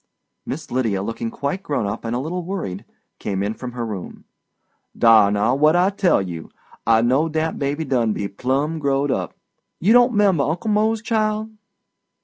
Miss Lydia, looking quite grown up and a little worried, came in from her room. "Dar, now! What'd I tell you? I knowed dat baby done be plum growed up. You don't 'member Uncle Mose, child?"